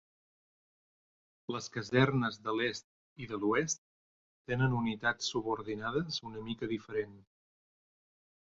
Les casernes de l'Est i de l'Oest tenen unitats subordinades una mica diferents.